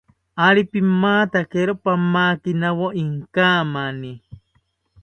Ari pimatakiro pamakinawo inkamani